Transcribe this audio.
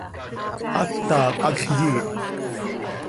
Aata, hacx yiih.